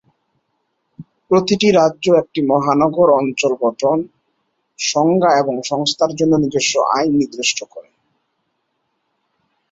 প্রতিটি রাজ্য একটি মহানগর অঞ্চল গঠন, সংজ্ঞা এবং সংস্থার জন্য নিজস্ব আইন নির্দিষ্ট করে।